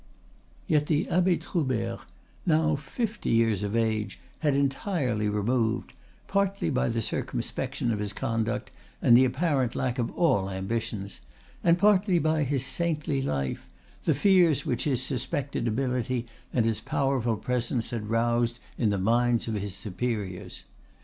Yet the Abbe Troubert, now fifty years of age, had entirely removed, partly by the circumspection of his conduct and the apparent lack of all ambitions, and partly by his saintly life, the fears which his suspected ability and his powerful presence had roused in the minds of his superiors.